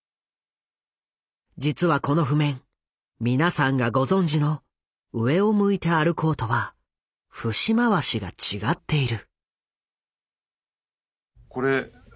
実はこの譜面みなさんがご存じの「上を向いて歩こう」とは節回しが違っている。